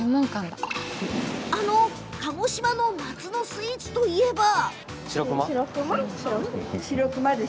あの鹿児島の夏のスイーツといえば？